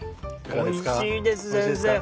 おいしいです先生。